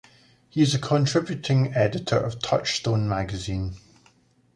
He is a contributing editor of "Touchstone" magazine.